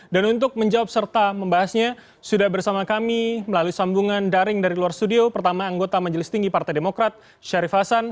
dan untuk menjawab serta membahasnya sudah bersama kami melalui sambungan daring dari luar studio pertama anggota majelis tinggi partai demokrat syarif hasan